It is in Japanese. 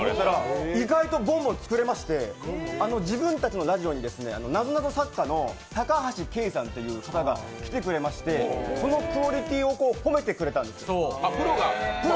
意外とボンボン作れまして自分たちのラジオになぞなぞ作家の高橋啓恵さんって方が来てくれてそのクオリティーを褒めてくれたんです。